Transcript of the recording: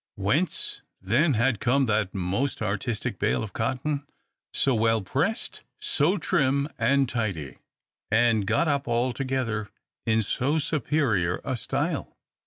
Whence, then, had come that most artistic bale of cotton, so well pressed, so trim and tidy, and got up altogether in so superior a style?